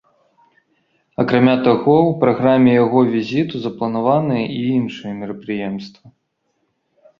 Акрамя таго, у праграме яго візіту запланаваныя і іншыя мерапрыемствы.